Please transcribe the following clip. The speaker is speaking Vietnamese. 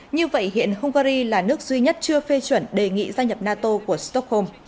như vậy hiện hungary là nước duy nhất chưa phê chuẩn đề nghị gia nhập nato của stockholm